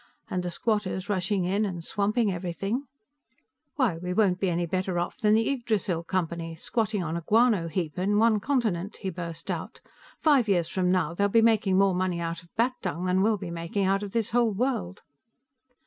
And the squatters rushing in and swamping everything "Why, we won't be any better off than the Yggdrasil Company, squatting on a guano heap on one continent!" he burst out. "Five years from now, they'll be making more money out of bat dung than we'll be making out of this whole world!"